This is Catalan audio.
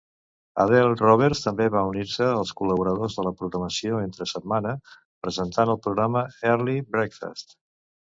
Adele Roberts també va unir-se als col·laboradors de la programació entre setmana, presentant el programa Early Breakfast.